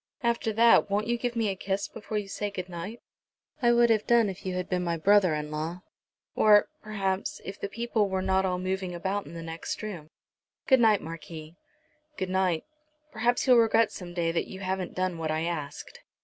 After that won't you give me a kiss before you say good night." "I would have done if you had been my brother in law, or, perhaps, if the people were not all moving about in the next room. Good night, Marquis." "Good night. Perhaps you'll regret some day that you haven't done what I asked."